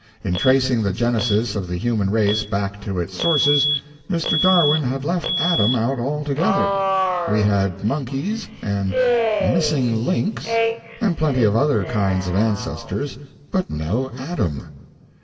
In tracing the genesis of the human race back to its sources, Mr. Darwin had left Adam out altogether. We had monkeys, and "missing links," and plenty of other kinds of ancestors, but no Adam.